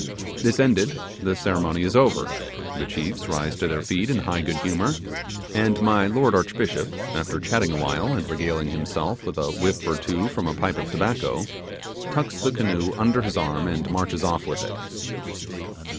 This ended, the ceremony is over; the chiefs rise to their feet in high good humour, and my Lord Archbishop, after chatting awhile, and regaling himself with a whiff or two from a pipe of tobacco, tucks the canoe under his arm and marches off with it.